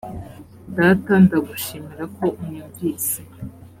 data ndagushimira ko unyumvise .